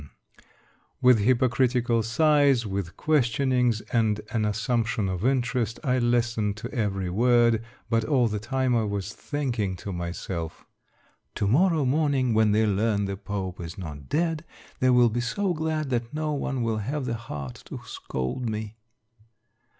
276 Monday Tales, With hypocritical sighs, with questionings, and an assumption of interest, I listened to every word, but all the time I was thinking to myself, —" To morrow morning, when they learn the pope is not dead, they will be so glad that no one will have the heart to scold me."